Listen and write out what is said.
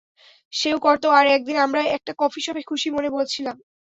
সেও করত আর একদিন আমরা একটা কফি শপে খুশি মনে বসেছিলাম।